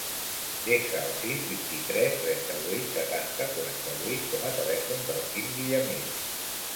Desa el sis, vint-i-tres, trenta-vuit, setanta, quaranta-vuit com a telèfon del Quim Villamil.